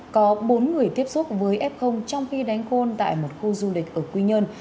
có bốn người tiếp xúc với f trong khi đánh khôn tại một khu du lịch ở quy nhơn